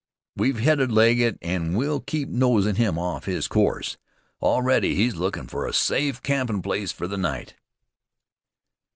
"We've headed Legget, an' we'll keep nosin' him off his course. Already he's lookin' fer a safe campin' place for the night."